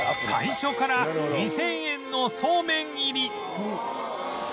最初から２０００円のそうめん入り